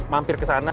kita mampir ke sana